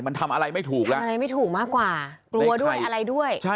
มันทำอะไรไม่ถูกแล้วทำอะไรไม่ถูกมากกว่า